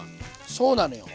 そうなのよ。